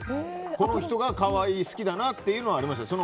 この人が可愛い好きだなってのはありました。